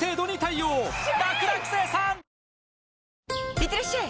いってらっしゃい！